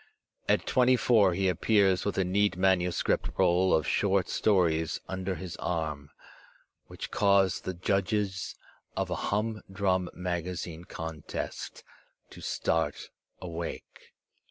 At twenty four he appears with a neat manuscript roll of short stories under his arm, which cause the judges of a humdrum magazine contest to start awake.